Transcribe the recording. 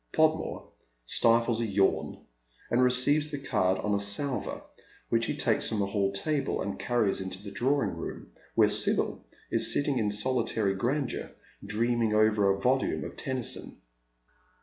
Podmore stifles a yawn and receives the card on a salver, which he takes from the hall table, and cariies into the drawing room, where Sibyl is sitting in solitary grandeur dreaming over a volume of Tennyson.